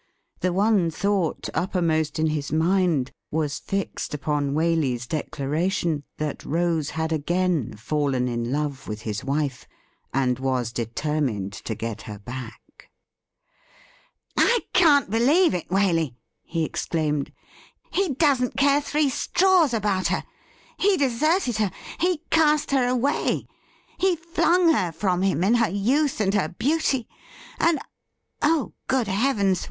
The one thought uppermost in WHAT WALEY DID WITH HIMSELF 255 his mind .was fixed upon Waley's declaration tiiat Rose had again fallen in love with his wife, and was determined to get her back. ' I can't believe it, Waley,' he exclaimed. ' He doesn't care thi ee straws about her. He deserted her ; he cast her away ; he flimg her from him in her youth and her beauty ; and — oh, good heavens !